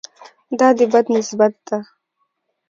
دا د بد نسبت ده.